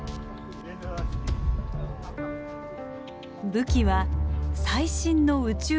武器は最新の宇宙物理学。